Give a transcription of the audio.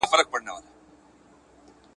څوک به څرنګه ځان ژغوري له شامته ..